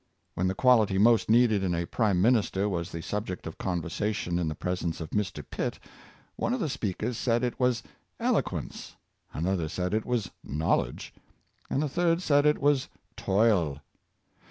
When the quality most needed in a prime minister was the sub ject of conversation in the presence of Mr. Pitt, one of the speakers said it was '* eloquence; " another said it was *' knowledge; " and a third said it was "toil."